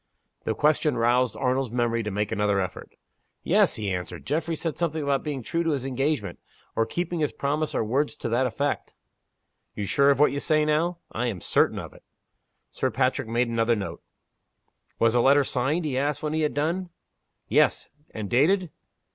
The question roused Arnold's memory to make another effort. "Yes," he answered. "Geoffrey said something about being true to his engagement, or keeping his promise or words to that effect." "You're sure of what you say now?" "I am certain of it." Sir Patrick made another note. "Was the letter signed?" he asked, when he had done. "Yes." "And dated?"